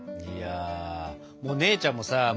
いやもう姉ちゃんもさ